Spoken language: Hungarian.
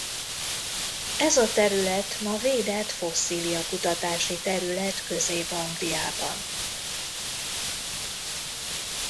Ez a terület ma védett fosszília-kutatási terület Közép-Angliában.